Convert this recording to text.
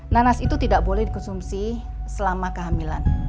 nanas itu tidak boleh dikonsumsi selama kehamilan